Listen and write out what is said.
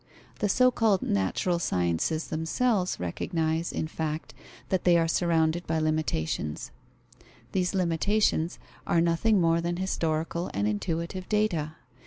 The so called natural sciences themselves recognize, in fact, that they are surrounded by limitations. These limitations are nothing more than historical and intuitive data.